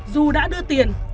dù đã đưa tiền